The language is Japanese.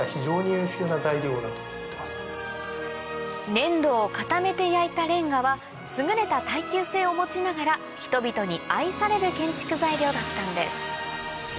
粘土を固めて焼いたれんがは優れた耐久性を持ちながら人々に愛される建築材料だったんです